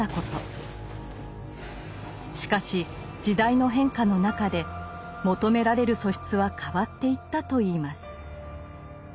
しかし時代の変化の中で求められる素質は変わっていったといいます。